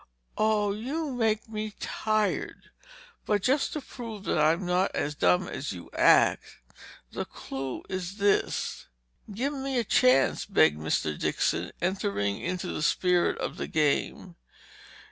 "Oh, you make me tired! But just to prove that I'm not as dumb as you act, the clue is this—" "Give me a chance," begged Mr. Dixon, entering into the spirit of the game.